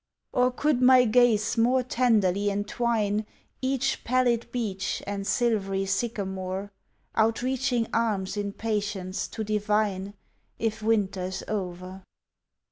Or could my gaze more tenderly entwine Each pallid beech and silvery sycamore Outreaching arms in patience to divine If winter's o'er?